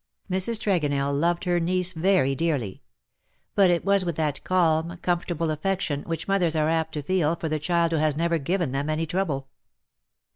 Mrs. Tregonell loved her niece very dearly; but it was with that calm, comfortable affection which mothers are apt to feel for the child who has never given them any trouble.